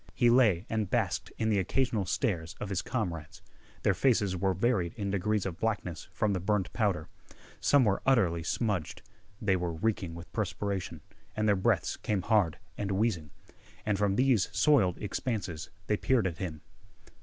He lay and basked in the occasional stares of his comrades. Their faces were varied in degrees of blackness from the burned powder. Some were utterly smudged. They were reeking with perspiration, and their breaths came hard and wheezing. And from these soiled expanses they peered at him.